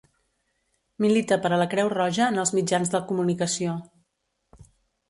Milita per a la Creu Roja en els mitjans de comunicació.